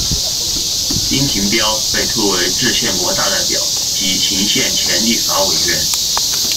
丁廷标被推为制宪国大代表及行宪前立法委员。